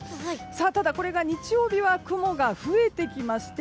ただ、これが日曜日は雲が増えてきまして